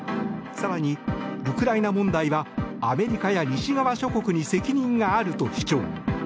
更に、ウクライナ問題はアメリカや西側諸国に責任があると主張。